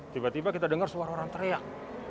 tiba tiba kita dengar suara orang teriak